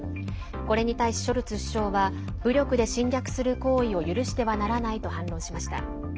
これに対し、ショルツ首相は武力で侵略する行為を許してはならないと反論しました。